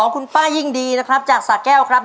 ถูกครับ